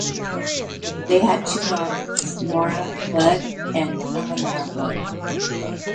They had two daughters, Nora Blood and Elenora Blood.